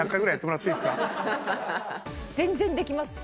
全然できます。